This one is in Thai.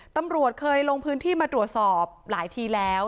ตำรวจเคยลงพื้นที่มาตรวจสอบหลายทีแล้ว